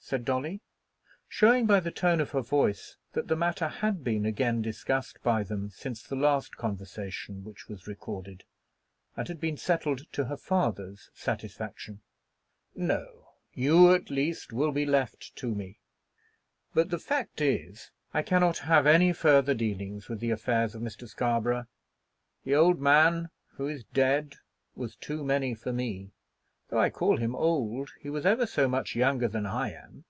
said Dolly, showing by the tone of her voice that the matter had been again discussed by them since the last conversation which was recorded, and had been settled to her father's satisfaction. "No; you at least will be left to me. But the fact is, I cannot have any farther dealings with the affairs of Mr. Scarborough. The old man who is dead was too many for me. Though I call him old, he was ever so much younger than I am.